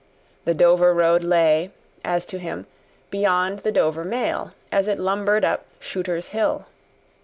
The Dover road lay, as to him, beyond the Dover mail, as it lumbered up Shooter's Hill.